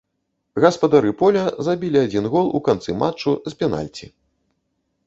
Гаспадары поля забілі адзін гол у канцы матчу з пенальці.